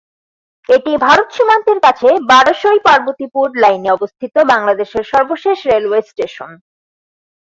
এটি ভারত সীমান্তের কাছে বারসই-পার্বতীপুর লাইনে অবস্থিত বাংলাদেশের সর্বশেষ রেলওয়ে স্টেশন।